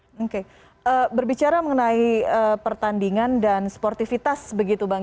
oke berbicara mengenai pertandingan dan sportivitas begitu bang